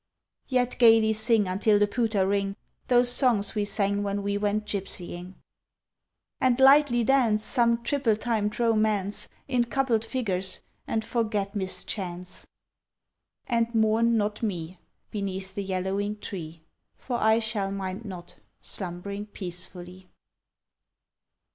Yet gaily sing Until the pewter ring Those songs we sang when we went gipsying. And lightly dance Some triple timed romance In coupled figures, and forget mischance; And mourn not me Beneath the yellowing tree; For I shall mind not, slumbering peacefully.